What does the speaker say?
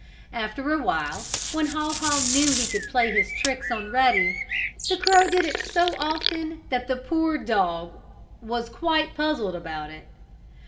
After a while, when Haw Haw knew he could play his tricks on Ruddy, the crow did it so often that the poor dog was quite puzzled about it.